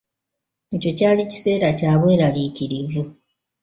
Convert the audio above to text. Ekyo kyali kiseera kyabwerariikirivu.